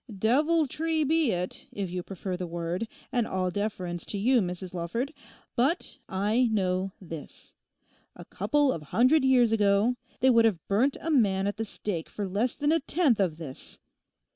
Deviltry be it, if you prefer the word, and all deference to you, Mrs Lawford. But I know this—a couple of hundred years ago they would have burnt a man at the stake for less than a tenth of this.